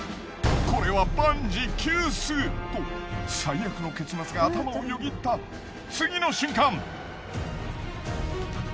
これはと最悪の結末が頭をよぎった次の瞬間。